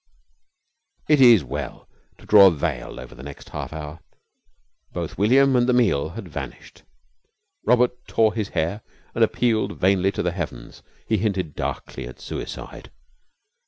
It is well to draw a veil over the next half hour. Both William and the meal had vanished. Robert tore his hair and appealed vainly to the heavens. He hinted darkly at suicide.